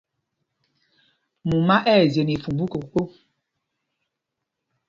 Mumá ɛ̂ zye nɛ ifumbú koko.